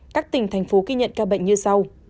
các tỉnh thành phố ghi nhận ca bệnh như sau